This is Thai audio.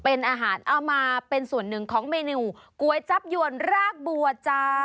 เป็นอาหารเอามาเป็นส่วนหนึ่งของเมนูก๋วยจับยวนรากบัวจ้า